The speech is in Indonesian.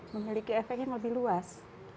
memiliki efek yang lebih luas